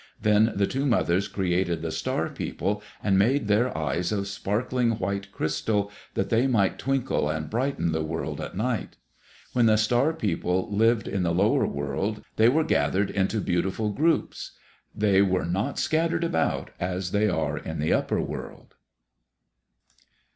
Then the two mothers created the Star People and made their eyes of sparkling white crystal that they might twinkle and brighten the world at night. When the Star People lived in the lower world they were gathered into beautiful groups; they were not scattered about as they are in the upper world.